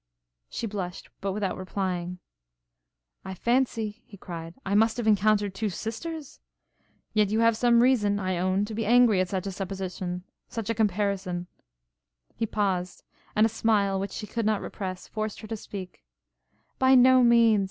She blushed, but without replying. 'I fancy,' he cried, 'I must have encountered two sisters? yet you have some reason, I own, to be angry at such a supposition such a comparison ' He paused, and a smile, which she could not repress, forced her to speak; 'By no means!'